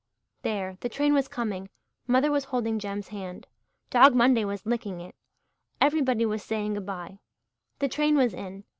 There the train was coming mother was holding Jem's hand Dog Monday was licking it everybody was saying good bye the train was in!